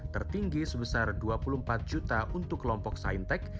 tertinggi sebesar dua puluh empat juta untuk kelompok saintech